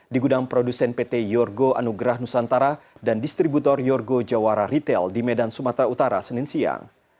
di gudang produsen pt yorgo anugerah nusantara dan distributor yorgo jawara retail di medan sumatera utara senin siang